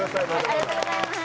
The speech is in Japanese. ありがとうございます。